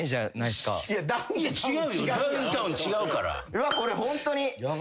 うわっこれホントに。